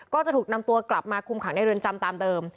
ก็จะถูกนำตัวกลับมาคุมขังในเรือนจำตามเดิม